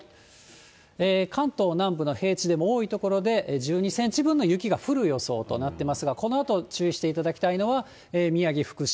関東南部の平地でも、多い所で１２センチ分の雪が降る予想となっていますが、このあと注意していただきたいのは、宮城、福島。